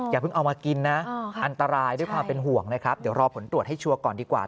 อย่าเพิ่งเอามากินน่ะอันตราย